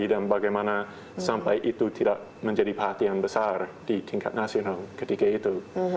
dan bagaimana sampai itu tidak menjadi perhatian besar di tingkat nasional ketika itu